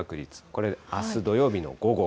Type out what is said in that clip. これ、あす土曜日の午後。